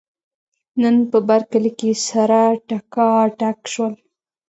نن په برکلي کې سره ټکاټک شول.